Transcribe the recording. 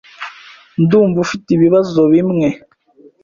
Ndumva ufite ibibazo bimwe.